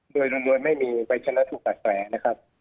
โดยโดยไม่มีใบชนสูตรกัดแสนนะครับ